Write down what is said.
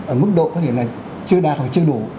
ở mức độ có thể là chưa đạt hoặc chưa đủ